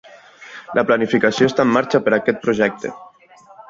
La planificació està en marxa per a aquest projecte.